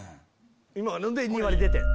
今ので２割出てん。